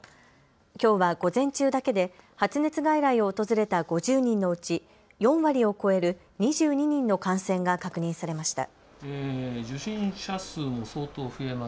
きょうは午前中だけで発熱外来を訪れた５０人のうち４割を超える２２人の感染が確認されました。